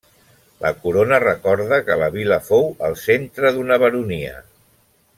La corona recorda que la vila fou el centre d'una baronia.